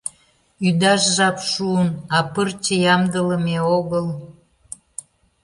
Ӱдаш жап шуын, а пырче ямдылыме огыл.